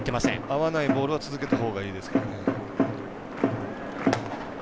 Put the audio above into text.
合わないボールを続けたほうがいいですけどね。